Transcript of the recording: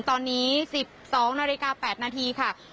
ตอนนี้๑๒นาฬิกา๘นาทีค่ะ